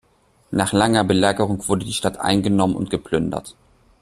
Nach langer Belagerung wurde die Stadt eingenommen und geplündert.